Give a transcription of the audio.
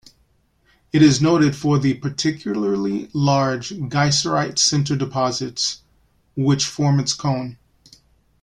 It is noted for the particularly large geyserite sinter deposits, which form its cone.